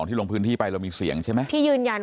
ที่ลงพื้นที่ไปเรามีเสียงใช่ไหม